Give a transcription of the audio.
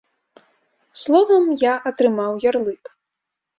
Словам, я атрымаў ярлык.